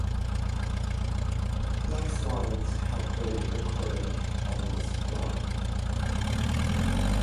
Black swans have been recorded on this broad.